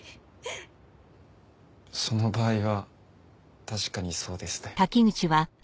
その場合は確かにそうですね。